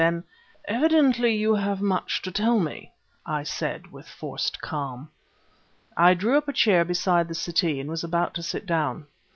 Then "Evidently you have much to tell me," I said, with forced calm. I drew up a chair beside the settee and was about to sit down.